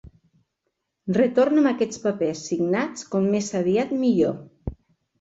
Retorna'm aquests papers signats com més aviat millor.